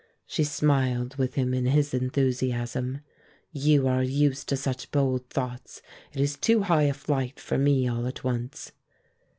She smiled with him in his enthusiasm. "You are used to such bold thoughts. It is too high a flight for me all at once."